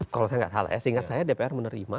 kalau saya tidak salah ya seingat saya dpr menerima